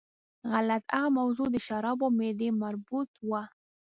غلط، هغه موضوع د شرابو او معدې مربوط وه.